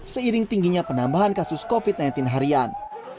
seiring tingginya penambahan kasus covid sembilan belas harian